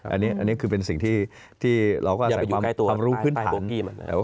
อันนี้คือเป็นสิ่งที่เราก็อาศัยความรู้พื้นผัน